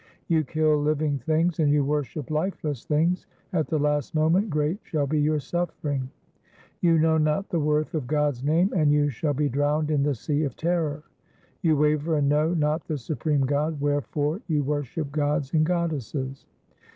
You kill living things, and you worship lifeless things ; at the last moment great shall be your suffering. You know not the worth of God's name, and you shall be drowned in (he sea of terror. You waver 2 and know not the supreme God ; wherefore you worship gods and goddesses.